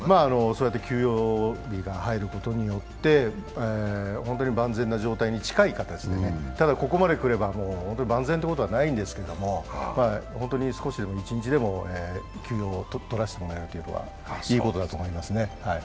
そうやって休養日が入ることによって本当に万全な状態に近い形でね、ただ、ここまで来れば本当に万全ということはないんですけど、本当に少しでも一日でも休養をとらせることはいいことだと思いますね。